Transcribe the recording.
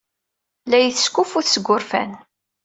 La iyi-teskuffut seg wurfan.